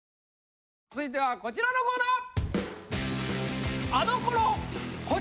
続いてはこちらのコーナー！